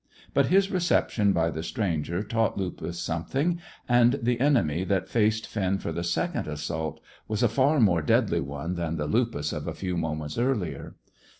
But his reception by the stranger taught Lupus something, and the enemy that faced Finn for the second assault was a far more deadly one than the Lupus of a few moments earlier.